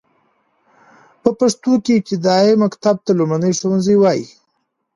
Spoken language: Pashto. په پښتو کې ابتدايي مکتب ته لومړنی ښوونځی وايي.